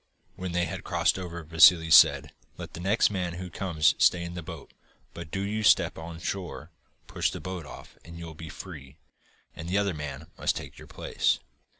When they had crossed over, Vassili said: 'Let the next man who comes stay in the boat, but do you step on shore, push the boat off, and you will be free, and the other man must take your place.